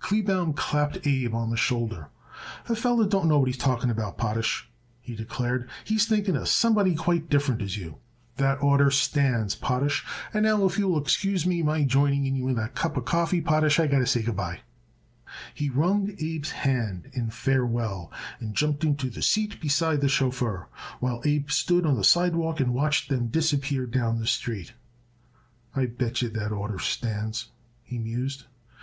Kleebaum clapped Abe on the shoulder. "The feller don't know what he's talking about, Potash," he declared. "He's thinking of somebody quite different as you. That order stands, Potash, and now if you will excuse me joining you in that cup coffee, Potash, I got to say good by." He wrung Abe's hand in farewell and jumped into the seat beside the chauffeur while Abe stood on the sidewalk and watched them disappear down the street. "I bet yer that order stands," he mused.